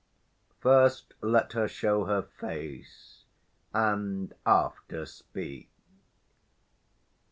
First, let her show her face, and after speak.